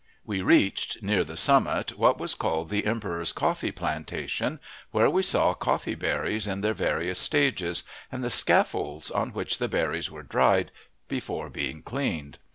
We reached near the summit what was called the emperor's coffee plantation, where we saw coffee berries in their various stages, and the scaffolds on which the berries were dried before being cleaned.